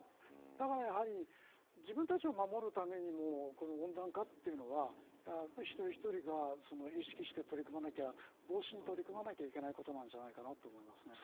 だからやはり、自分たちを守るためにも温暖化というのは一人一人が意識して取り組まなきゃ防止に取り組まなきゃいけないことなんじゃないかと思います。